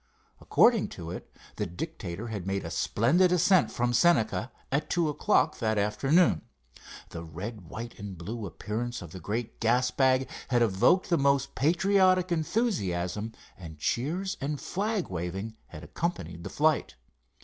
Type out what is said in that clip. According to it, the Dictator had made a splendid ascent from Senca at two o'clock that afternoon. The red, white and blue appearance of the great gas bag had evoked the most patriotic enthusiasm, and cheers and flag waving had accompanied the flight.